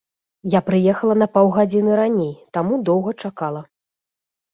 Я прыехала на паўгадзіны раней, таму доўга чакала.